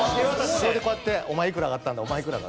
それでこうやって「お前いくら上がったんだ？